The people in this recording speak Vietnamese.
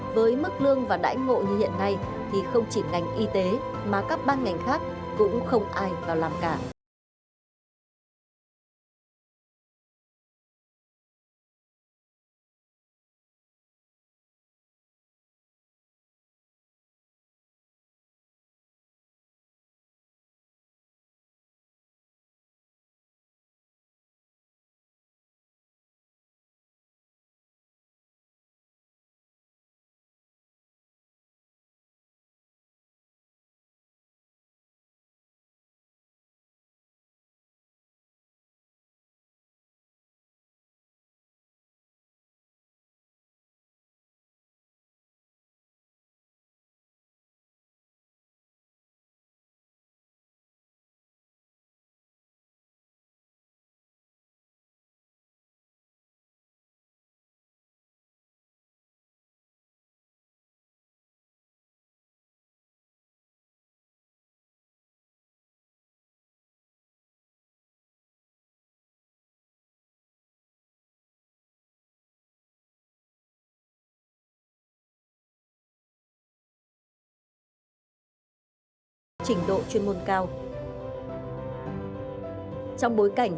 với mức lương và đãi ngộ như hiện nay thì không chỉ ngành y tế mà các ban ngành khác cũng không ai vào làm cả